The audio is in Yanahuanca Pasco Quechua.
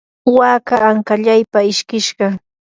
waka ankallaypam ishkishqa.